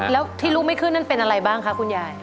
แล้วที่ลุกไม่ขึ้นนั่นเป็นอะไรบ้างคะคุณยาย